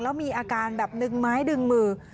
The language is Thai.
แล้วมีอาการแบบดึงไม้ดึงมือ